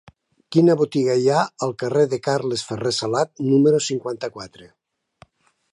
Quina botiga hi ha al carrer de Carles Ferrer Salat número cinquanta-quatre?